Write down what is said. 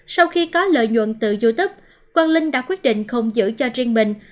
sau khi có lợi nhuận từ youtube quang linh đã quyết định không giữ cho riêng mình